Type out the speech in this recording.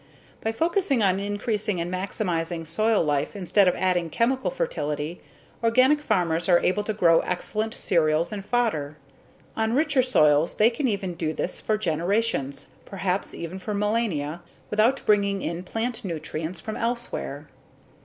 By focusing on increasing and maximizing soil life instead of adding chemical fertility, organic farmers are able to grow excellent cereals and fodder. On richer soils they can even do this for generations, perhaps even for millennia without bringing in plant nutrients from elsewhere.